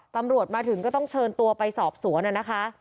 ตำรวจมาถึงก็ต้องเชิญตัวไปสอบสวนนะคะ